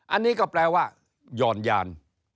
อันนี้ก็แปลว่าหย่อนยาน